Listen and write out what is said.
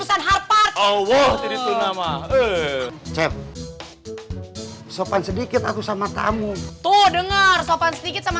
sampai jumpa di video selanjutnya